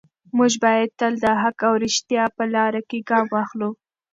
موږ باید تل د حق او ریښتیا په لاره کې ګام واخلو.